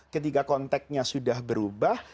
ketika konteksnya sudah berubah